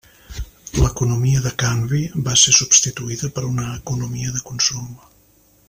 L'economia de canvi va ser substituïda per una economia de consum.